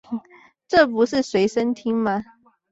這不是隨身聽嗎